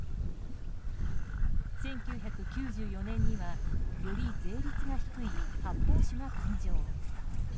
１９９４年にはより税率が低い発泡酒が誕生。